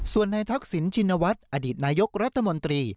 ส่วนในทักษิณชินวัฒน์อดีตนายกรัฐมนตรี